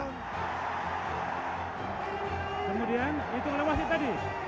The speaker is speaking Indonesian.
kemudian itu lewati tadi